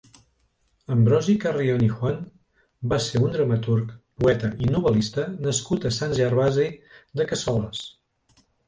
Ambrosi Carrion i Juan va ser un dramaturg, poeta i novel·lista nascut a Sant Gervasi de Cassoles.